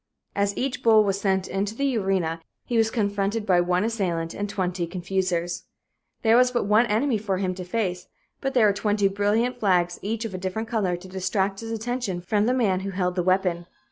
As each bull was sent into the arena, he was confronted by one assailant and twenty confusers. There was but one enemy for him to face, but there were twenty brilliant flags, each of a different color, to distract his attention from the man who held the weapon.